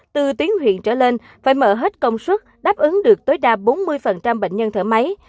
từ tuyến huyện trở lên phải mở hết công suất đáp ứng được tối đa bốn mươi bệnh nhân thở máy